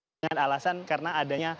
dengan alasan karena adanya